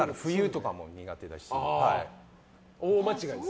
大間違いです。